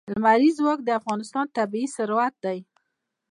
لمریز ځواک د افغانستان طبعي ثروت دی.